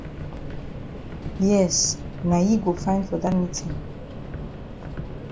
Yes na yi go fine for dat meetin.